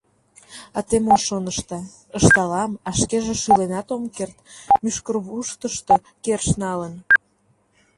— А те мо шонышда? — ышталам, а шкеже шӱленат ом керт, мӱшкырвуштышто керш налын.